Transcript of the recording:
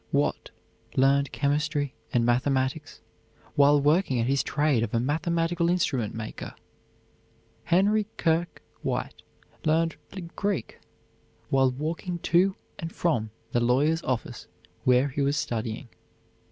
Watt learned chemistry and mathematics while working at his trade of a mathematical instrument maker. Henry Kirke White learned Greek while walking to and from the lawyer's office where he was studying.